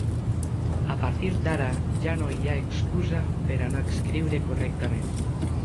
A partir d'ara ja no hi ha excusa per a no escriure correctament.